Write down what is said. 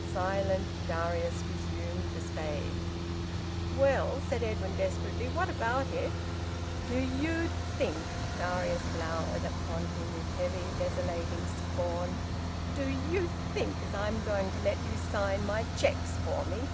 Silent, Darius resumed the spade. "Well," said Edwin desperately. "What about it?" "Do you think" Darius glowered upon him with heavy, desolating scorn "do you think as I'm going to let you sign my cheques for me?